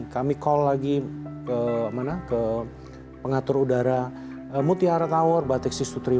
kami call lagi ke pengatur udara mutiara tower batik enam ribu dua ratus tiga puluh satu